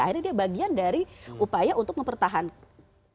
akhirnya dia bagian dari upaya untuk mempertahankan